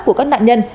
của các nạn nhân